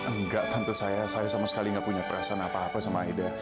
enggak tante saya saya sama sekali nggak punya perasaan apa apa sama aida